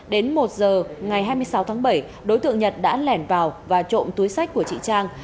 đến một giờ ngày hai mươi sáu tháng bảy đối tượng nhật đã lẻn vào và trộm túi sách của chị trang